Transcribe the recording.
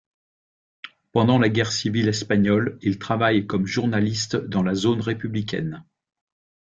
Pendant la guerre civile espagnole, il travaille comme journaliste dans la zone républicaine.